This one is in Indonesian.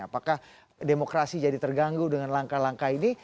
apakah demokrasi jadi terganggu dengan langkah langkah ini